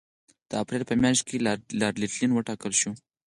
د اپرېل په میاشت کې لارډ لیټن وټاکل شو.